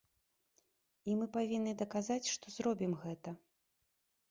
І мы павінны даказаць, што зробім гэта.